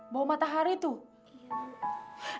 bawa matahari tuh